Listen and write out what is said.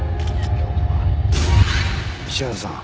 石原さん